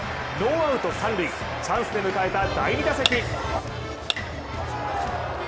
ノーアウト三塁チャンスで迎えた第２打席。